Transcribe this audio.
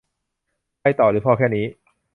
ไปต่อหรือพอแค่นี้